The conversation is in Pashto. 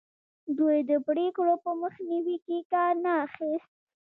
دوی د پرېکړو په مخنیوي کې کار نه اخیست.